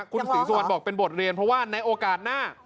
คุณศรีสุวรรณบอกเป็นบทเรียนเพราะว่าในโอกาสหน้า